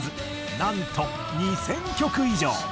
なんと２０００曲以上！